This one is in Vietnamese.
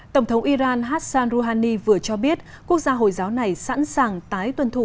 tổng thống iran hassan rouhani vừa cho biết quốc gia hồi giáo này sẵn sàng tái tuân thủ